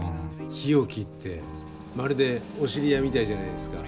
日置ってまるでお知り合いみたいじゃないですか。